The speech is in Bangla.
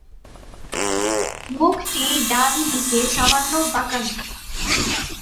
মুখটি ডান দিকে সামান্য বাঁকানো।